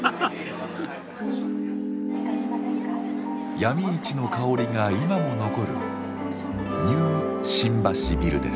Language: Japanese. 闇市の香りが今も残るニュー新橋ビルです。